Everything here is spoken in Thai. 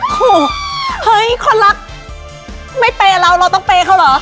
โหเฮ้ยคนรักไม่เปย์กับเราเราต้องเปย์เขาเหรอ